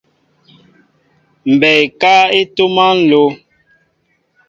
Mɓɛɛ ekáá e ntoma nló.